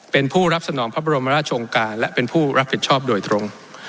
เป็นผู้รับสนองพระบรมราชงการและเป็นผู้รับผิดชอบโดยตรง